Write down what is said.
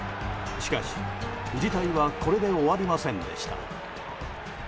しかし、事態はこれで終わりませんでした。